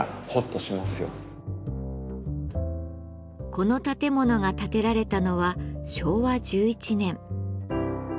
この建物が建てられたのは昭和１１年。